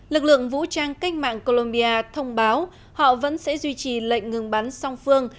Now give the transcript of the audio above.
lực lượng vũ trang cách mạng colombia thông báo họ vẫn sẽ duy trì lệnh ngừng bắn song phương